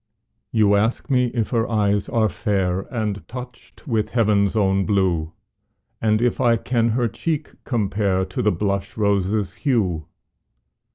You ask me if her eyes are fair, And touched with heaven's own blue, And if I can her cheek compare To the blush rose's hue?